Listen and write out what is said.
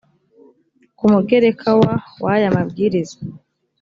ku mugereka wa w aya mabwiriza